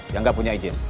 yang gak punya izin